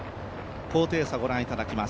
高低差ご覧いただきます。